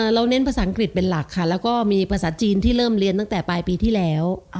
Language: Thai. เน้นภาษาอังกฤษเป็นหลักค่ะแล้วก็มีภาษาจีนที่เริ่มเรียนตั้งแต่ปลายปีที่แล้ว